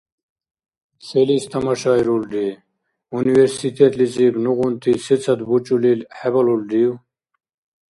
Селис тамашайрулри, университетлизиб нугъунти сецад бучӀулил хӀебалулрив?